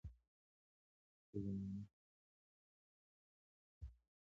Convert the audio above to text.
په ژوندانه کې هغه څوک بریالی دی چې ځواکمن بدن لري.